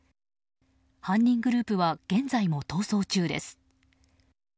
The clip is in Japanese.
犯人グループは現在も逃走中です。